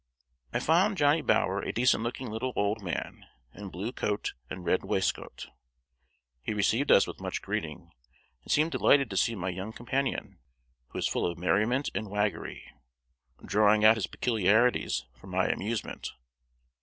I found Johnny Bower a decent looking little old man, in blue coat and red waistcoat. He received us with much greeting, and seemed delighted to see my young companion, who was full of merriment and waggery, drawing out his peculiarities for my amusement.